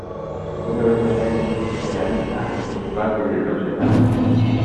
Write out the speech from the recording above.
Una vez al año se realiza el Festival del Rosedal.